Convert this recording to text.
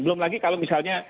belum lagi kalau misalnya